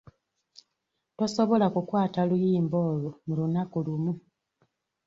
Tosobola kukwata luyimba olwo mu lunaku lumu.